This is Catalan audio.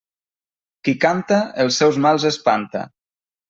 Qui canta els seus mals espanta.